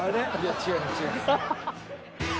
違います。